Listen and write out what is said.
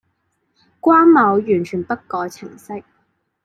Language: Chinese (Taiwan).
關貿完全不改程式